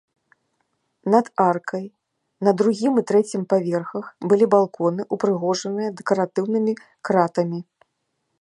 Над аркай на другім і трэцім паверхах былі балконы, упрыгожаныя дэкаратыўнымі кратамі.